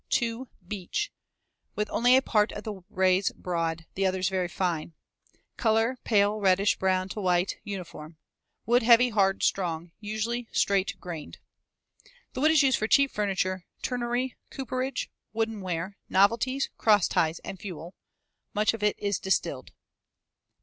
2. Beech. With only a part of the rays broad, the others very fine, Fig. 151. Color pale reddish brown to white; uniform. Wood heavy, hard, strong, usually straight grained. The wood is used for cheap furniture, turnery, cooperage, woodenware, novelties, cross ties, and fuel. Much of it is distilled.